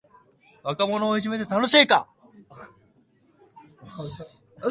楽しいか